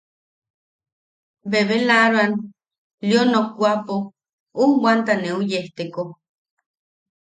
Bebelaaroan Lio nokwaʼapo ujbwanta neu yejteko.